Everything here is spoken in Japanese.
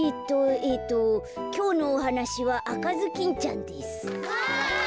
えっときょうのおはなしは「あかずきんちゃん」です。わ。